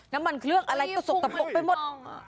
น้ำมันเครื่องอะไรก็สกปรกไปหมด